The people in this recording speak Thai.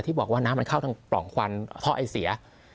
บอกว่าน้ำมันเข้าทางปล่องควันท่อไอเสีย